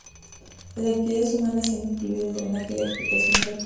Las actividades humanas han incluido el drenaje y la explotación de la turba.